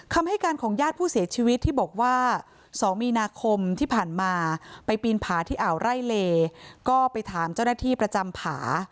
คำให้การของญาติผู้เสียชีวิตที่บอกว่า๒มีนาคมที่ผ่านมาไปปีนผาที่อ่าวไร่เลก็ไปถามเจ้าหน้าที่ประจำผา